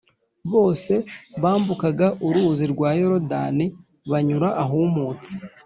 bose bambukaga Uruzi rwa Yorodani banyura ahumutse